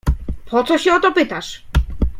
"Po co się o to pytasz?"